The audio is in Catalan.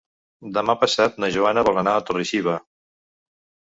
Demà passat na Joana vol anar a Torre-xiva.